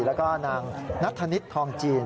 แล้วก็นางนัทธนิษฐ์ทองจีน